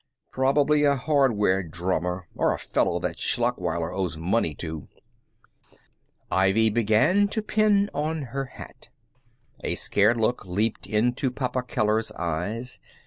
"Probably a hardware drummer, or a fellow that Schlachweiler owes money to." Ivy began to pin on her hat. A scared look leaped into Papa Keller's eyes.